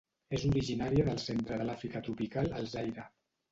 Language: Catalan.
És originària del centre de l'Àfrica tropical al Zaire.